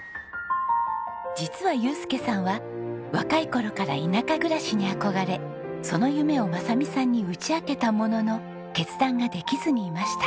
実は祐介さんは若い頃から田舎暮らしに憧れその夢を昌美さんに打ち明けたものの決断ができずにいました。